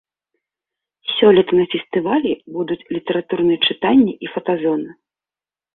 Сёлета на фестывалі будуць літаратурныя чытанні і фотазона.